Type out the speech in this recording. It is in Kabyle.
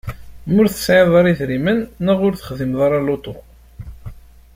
Ma ur tesɛiḍ ara idrimen neɣ ur texdimeḍ ara lutu.